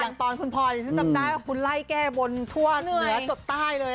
ตอนคุณพลอยฉันจำได้ว่าคุณไล่แก้บนทั่วเหนือจดใต้เลย